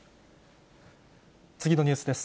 次のニュースです。